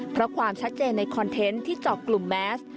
เพราะความชัดเจนในคอนเทนต์ที่เจาะกลุ่มแมส